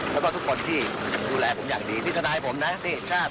แล้วก็ทุกคนที่ดูแลผมอย่างดีที่ทนายผมนะที่ชาติ